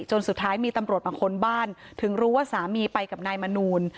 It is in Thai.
สุดท้ายมีตำรวจมาค้นบ้านถึงรู้ว่าสามีไปกับนายมนูล